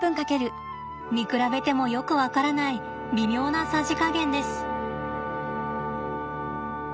見比べてもよく分からない微妙なさじ加減です。